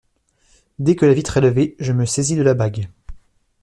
Dès que la vitre est levée, je me saisis de la bague.